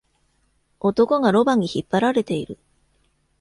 男がロバに引っ張られている。